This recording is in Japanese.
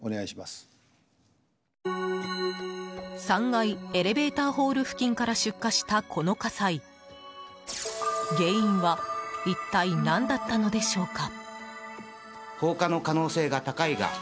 ３階エレベーターホール付近から出火した、この火災原因は一体何だったのでしょうか。